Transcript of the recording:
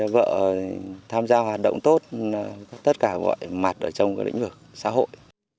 vợ tham gia hoạt động tốt tất cả mọi mặt ở trong lĩnh vực xã hội